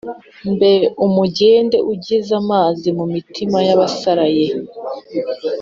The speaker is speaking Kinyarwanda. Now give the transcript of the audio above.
Mbe umugende ugeza amazi mu mitima y’abasaraye